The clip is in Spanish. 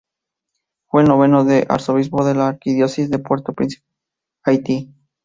Fue el noveno arzobispo de la Arquidiócesis de Puerto Príncipe, Haití.